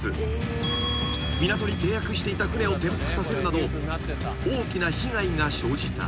［港に停泊していた船を転覆させるなど大きな被害が生じた］